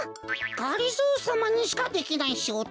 がりぞーさまにしかできないしごと？